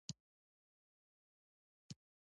د وینې لوی دوران او کوچني دوران شته.